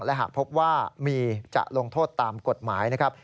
และหากพบว่ามีจะลงโทษตามกฎหมายนะครับ